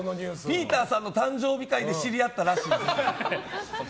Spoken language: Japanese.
ピーターさんの誕生日会で知り合ったらしいって。